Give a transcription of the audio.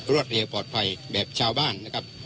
รวดเร็วปลอดภัยแบบชาวบ้านนะครับ